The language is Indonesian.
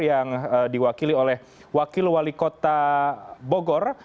yang diwakili oleh wakil wali kota bogor